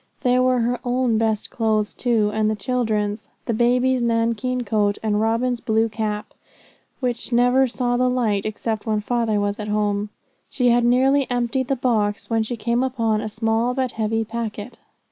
There were her own best clothes, too, and the children's; the baby's nankeen coat, and Robin's blue cap, which never saw the light except when father was at home. She had nearly emptied the box, when she came upon a small but heavy packet.